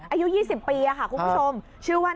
อายุยี่สิบปีคุณผู้ชมชื่อว่า